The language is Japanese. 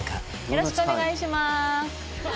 よろしくお願いします